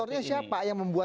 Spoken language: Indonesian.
aktornya siapa yang membuat